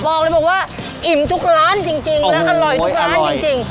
บอกเลยบอกว่าอิ่มทุกร้านจริงและอร่อยทุกร้านจริง